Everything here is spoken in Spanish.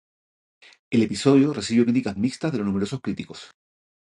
El episodio recibió críticas mixtas de los numerosos críticos.